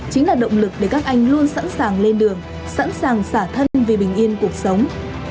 chính là động lực để các anh luôn sẵn sàng lên đường sẵn sàng xả thân vì bình yên cuộc sống